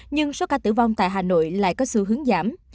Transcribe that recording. nhưng số ca tử vong tại hà nội lại có sự tăng mạnh